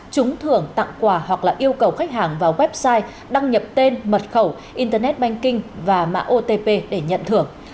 trúng thưởng tặng quà hoặc yêu cầu khách hàng vào website đăng nhập tên mật khẩu internet banking và mã otp để nhận thưởng